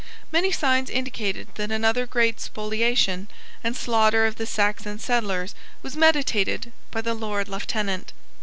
Many signs indicated that another great spoliation and slaughter of the Saxon settlers was meditated by the Lord Lieutenant.